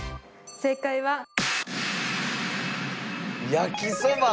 正解は。